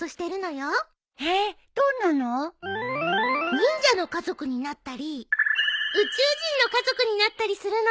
忍者の家族になったり宇宙人の家族になったりするの。